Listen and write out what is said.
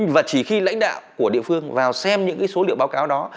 và chỉ khi lãnh đạo của địa phương vào xem những số liệu báo cáo đó